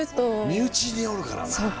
身内におるからな。